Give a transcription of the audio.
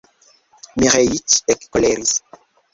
Miĥeiĉ ekkoleris.